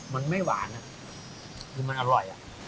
มันไม่หวานคือมันอร่อย